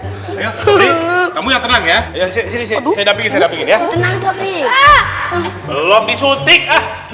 sobri kamu yang tenang ya sini sini saya dapingin saya dapingin ya tenang sobri belum disuntik ah